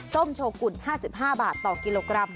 ส้มโชกุล๕๕บาทต่อกิโลกรัม